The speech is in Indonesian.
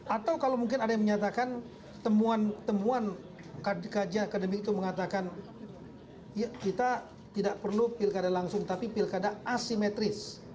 atau kalau mungkin ada yang menyatakan temuan temuan kajian akademik itu mengatakan kita tidak perlu pilkada langsung tapi pilkada asimetris